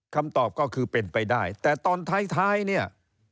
คำตอบก็คือเป็นไปได้แต่ตอนท้ายเนี่ย